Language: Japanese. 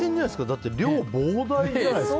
だって量が膨大じゃないですか。